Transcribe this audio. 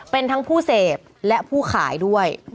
เป็นทั้งผู้เสพและผู้ขายด้วย